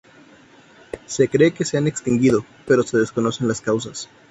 Se cree que se ha extinguido, pero se desconocen las causas.